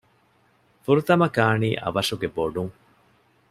ފުރަތަމަ ކާނީ އަވަށުގެ ބޮޑުން